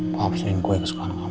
maaf sayang kue kesukaan kamu